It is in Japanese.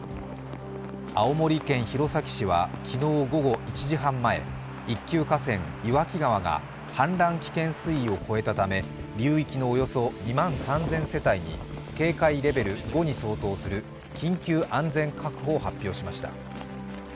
青森県弘前市は昨日午後１時半前、１級河川岩木川が氾濫危険水位を超えたため、流域のおよそ２万３０００世帯に警戒レベル５に相当する緊急安全確保を発表しました。